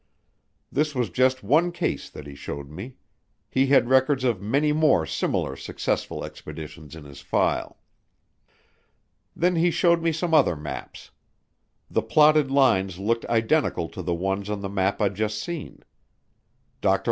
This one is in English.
This was just one case that he showed me. He had records of many more similar successful expeditions in his file. Then he showed me some other maps. The plotted lines looked identical to the ones on the map I'd just seen. Dr.